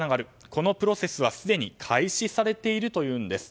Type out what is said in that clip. このプロセスはすでに開始されているというんです。